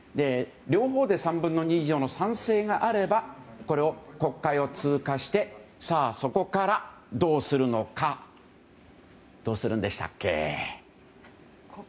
両方で３分の２以上の賛成があればこれを国会を通過してさあ、そこからどうするのかどうするんでしたっけ？